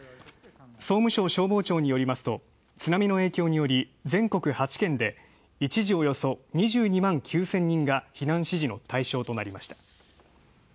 総務省消防庁によりますと、津波の影響により全国８県で一時およそ２２万９０００人が避難指示の対象となりました。